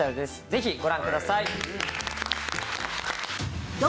ぜひご覧ください。